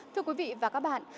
thưa quý vị và các bạn